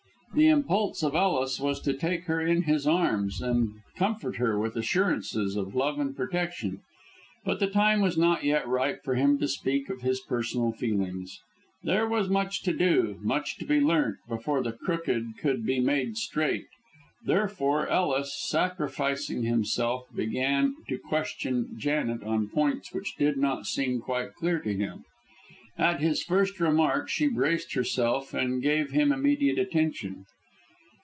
The impulse of Ellis was to take her in his arms, and comfort her with assurances of love and protection. But the time was not yet ripe for him to speak of his personal feelings. There was much to do, much to be learnt, before the crooked could be made straight; therefore Ellis, sacrificing self, began to question Janet on points which did not seem quite clear to him. At his first remark she braced herself and gave him immediate attention.